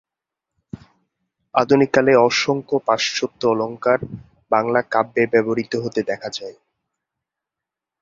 আধুনিককালে অসংখ্য পাশ্চাত্য অলঙ্কার বাংলা কাব্যে ব্যবহূত হতে দেখা যায়।